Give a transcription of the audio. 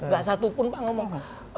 gak satu pun pak ngomong